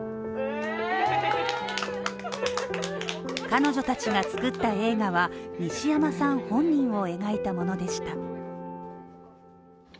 彼女たちが作った映画は西山さん本人を描いたものでした。